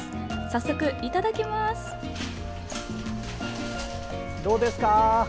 早速いただきます。